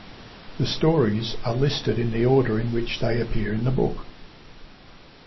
The stories are listed in the order in which they appear in the book.